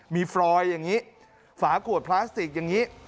มีฟรอยอย่างนี้ฝาขวดพลาสติกอย่างนี้